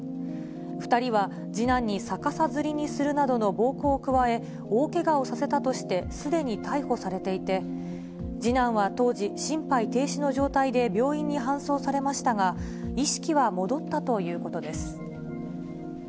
２人は次男に逆さづりにするなどの暴行を加え、大けがをさせたとしてすでに逮捕されていて、次男は当時、心肺停止の状態で病院に搬送されましたが、意識は戻ったということです。